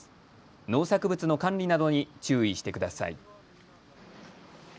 農作物の管理などに注意してください。